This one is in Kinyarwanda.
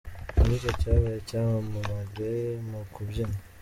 Ni gute yabaye icyamamare mu kubyina?.